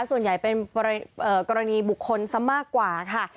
ส่วนใหญ่เป็นกรณีบุคคลซะมากกว่าค่ะ